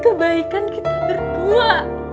kebaikan kita berdua